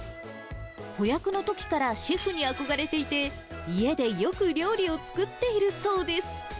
子役のときからシェフに憧れていて、家でよく料理を作っているそうです。